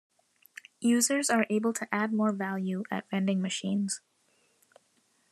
Users are able to add more value at vending machines.